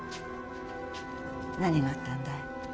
何があったんだい？